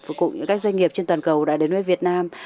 và cũng những cái doanh nghiệp trên toàn cầu đã đến với việt nam